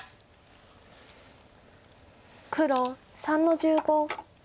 黒３の十五。